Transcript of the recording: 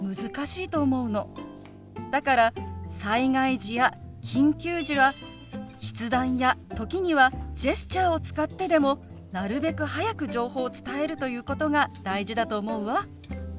だから災害時や緊急時は筆談や時にはジェスチャーを使ってでもなるべく早く情報を伝えるということが大事だと思うわ。